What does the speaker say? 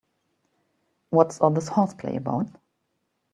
What's all this horseplay about?